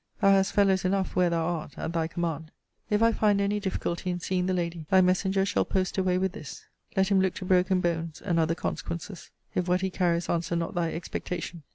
Thou hast fellows enough where thou art at thy command. If I find any difficulty in seeing the lady, thy messenger shall post away with this. Let him look to broken bones, and other consequences, if what he carries answer not thy expectation.